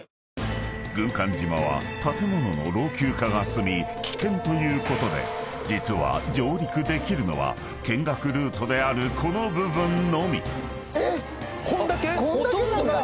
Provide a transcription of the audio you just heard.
［軍艦島は建物の老朽化が進み危険ということで実は上陸できるのは見学ルートであるこの部分のみ］